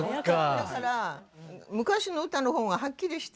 だから昔の歌の方がはっきりして。